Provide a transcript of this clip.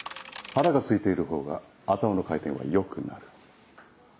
腹がすいているほうが頭の回転は良くなる。